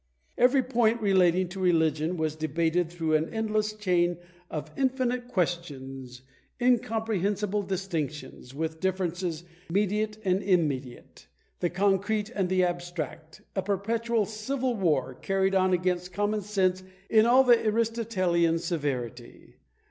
Every point relating to religion was debated through an endless chain of infinite questions, incomprehensible distinctions, with differences mediate and immediate, the concrete and the abstract, a perpetual civil war carried on against common sense in all the Aristotelian severity.